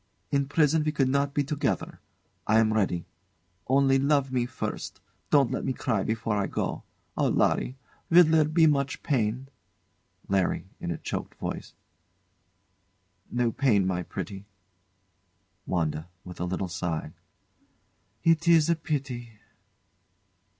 In prison we could not be together. I am ready. Only love me first. Don't let me cry before I go. Oh! Larry, will there be much pain? LARRY. [In a choked voice] No pain, my pretty. WANDA. [With a little sigh] It is a pity.